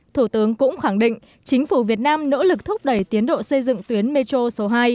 thủ tướng cũng khẳng định chính phủ việt nam nỗ lực thúc đẩy tiến độ xây dựng tuyến metro số hai